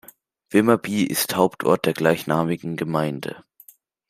Vimmerby ist Hauptort der gleichnamigen Gemeinde.